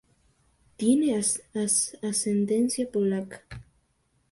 Tiene ascendencia polaca.